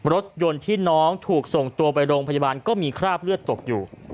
รถยนต์ที่น้องถูกส่งตัวไปโรงพยาบาลก็มีคราบเลือดตกอยู่